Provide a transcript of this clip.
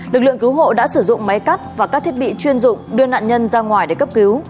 lực lượng cứu hộ đã sử dụng máy cắt và các thiết bị chuyên dụng đưa nạn nhân ra ngoài để cấp cứu